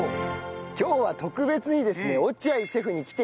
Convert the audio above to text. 今日は特別にですね落合シェフに来て頂きました。